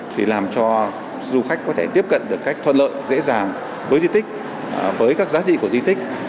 thì làm cho du khách có thể tiếp cận được cách thuận lợi dễ dàng với di tích với các giá trị của di tích